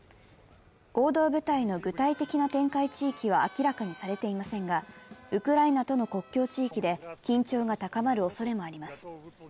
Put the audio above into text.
合同部隊の具体的な展開地域は明らかにされていませんがウクライナとの国境地域で緊張が高まるおそれがあります。